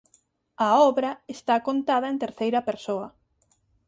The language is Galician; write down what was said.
A obra está contada en terceira persoa.